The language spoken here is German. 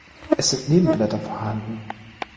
Es sind Nebenblätter vorhanden.